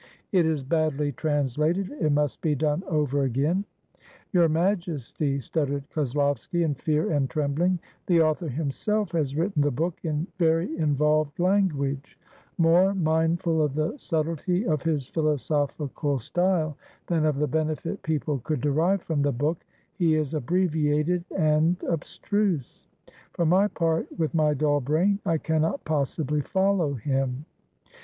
"It is badly translated. It must be done over agam p' 88 A MORNING WITH PETER THE GREAT "Your Majesty," stuttered Koslovsky in fear and trembling, "the author himself has written the book in very involved language. More mindful of the subtlety of his philosophical style than of the benefit people could derive from the book, he is abbreviated and abstruse. For my part with my dull brain I cannot possibly follow him."